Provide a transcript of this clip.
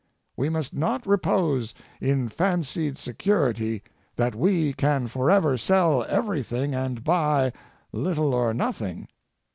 We must not repose in fancied security that we can forever sell everything and buy little or nothing.